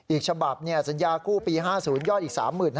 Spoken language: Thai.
อีกฉบับสัญญากู้ปี๕๐ยอดอีก๓๕๐๐